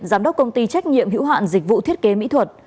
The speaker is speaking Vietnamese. giám đốc công ty trách nhiệm hữu hạn dịch vụ thiết kế mỹ thuật